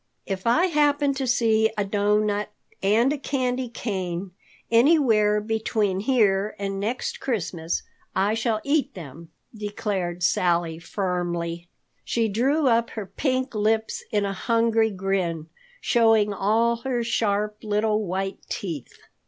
"If I happen to see a doughnut and a candy cane anywhere between here and next Christmas, I shall eat them," declared Sally firmly. She drew up her pink lips in a hungry grin, showing all her sharp little white teeth.